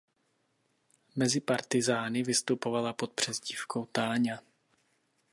Mezi partyzány vystupovala pod přezdívkou Táňa.